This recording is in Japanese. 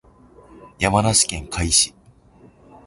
山梨県甲斐市